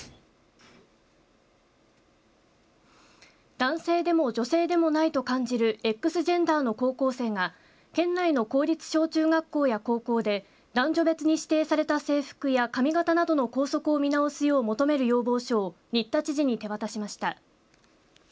男性でも女性でもないと感じるＸジェンダーの高校生が県内の公立小中学校や高校で男女別に指定された制服や髪型などの校則を見直すよう求める要望書を新田知事に手渡しました。